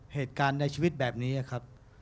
เหตุการณ์ในชีวิตแบบนี้ครับ